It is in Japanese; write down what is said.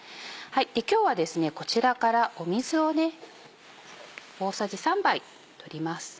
今日はこちらから水を大さじ３杯取ります。